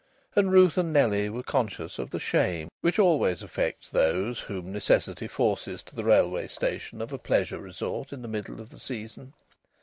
And Ruth and Nellie were conscious of the shame which always afflicts those whom necessity forces to the railway station of a pleasure resort in the middle of the season.